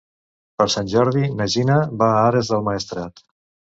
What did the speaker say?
Per Sant Jordi na Gina va a Ares del Maestrat.